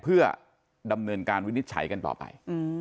เพื่อดำเนินการวินิจฉัยกันต่อไป